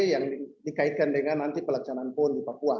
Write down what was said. yang dikaitkan dengan nanti pelaksanaan pon